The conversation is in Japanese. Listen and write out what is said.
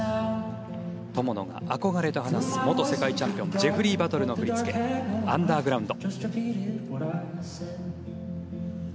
友野が憧れと話す元世界チャンピオンジェフリー・バトル振り付け「Ｕｎｄｅｒｇｒｏｕｎｄ」。